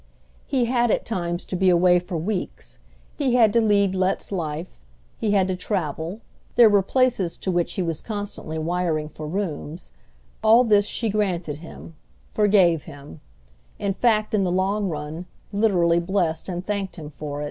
He had at times to be away for weeks; he had to lead his life; he had to travel—there were places to which he was constantly wiring for "rooms": all this she granted him, forgave him; in fact, in the long run, literally blessed and thanked him for.